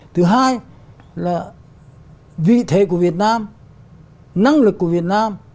thứ hai là vị thế của việt nam năng lực của việt nam